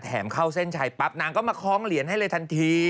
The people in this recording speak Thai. เข้าเส้นชัยปั๊บนางก็มาคล้องเหรียญให้เลยทันที